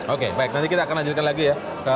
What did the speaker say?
oke baik nanti kita akan lanjutkan lagi ya